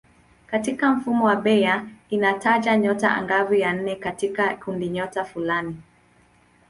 Katika mfumo wa Bayer inataja nyota angavu ya nne katika kundinyota fulani.